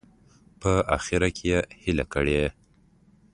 په اخره کې یې هیله کړې.